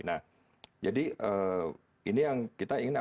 nah jadi ini yang kita ingin apa